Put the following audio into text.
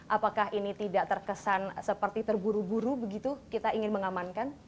apakah ini tidak terkesan seperti terburu buru begitu kita ingin mengamankan